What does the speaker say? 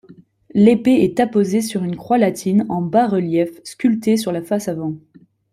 L'épée est apposée sur une croix latine en bas-relief sculptée sur la face avant.